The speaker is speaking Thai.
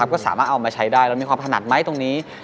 ก็สามารถเอามาใช้ได้เรามีความถนัดไหมตรงนี้